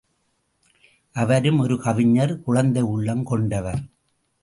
அவரும் ஒரு கவிஞர், குழந்தை உள்ளம் கொண்டவர்.